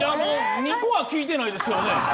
２個は聞いてないですけどね